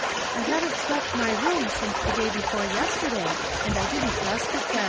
I haven't swept my room since the day before yesterday, and I didn't dust it then."